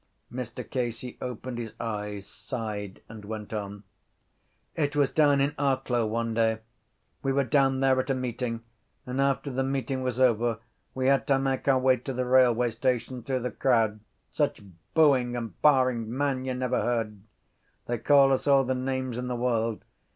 Mr Casey opened his eyes, sighed and went on: —It was down in Arklow one day. We were down there at a meeting and after the meeting was over we had to make our way to the railway station through the crowd. Such booing and baaing, man, you never heard. They called us all the names in the world.